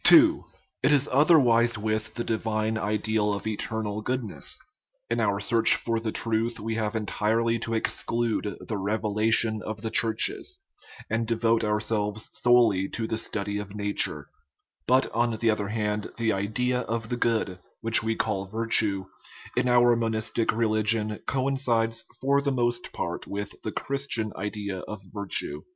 II. It is otherwise with the divine ideal of eternal goodness. In our search for the truth we have entirely to exclude the " revelation " of the churches, and de vote ourselves solely to the study of nature ; but, on the other hand, the idea of the good, which we call virtue, in our monistic religion coincides for the most part with the Christian idea of virtue.